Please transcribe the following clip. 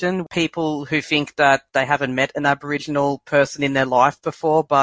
orang orang yang berpikir bahwa mereka belum pernah bertemu orang aborigen dalam hidup mereka sebelumnya